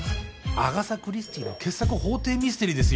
アガサ・クリスティーの傑作法廷ミステリーですよ。